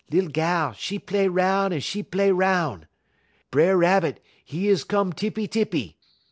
Lil gal, 'e play 'roun', un 'e play 'roun'. B'er Rabbit, 'e is come tippy tippy.